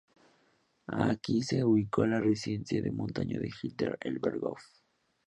Aquí se ubicó la residencia de montaña de Hitler, el Berghof.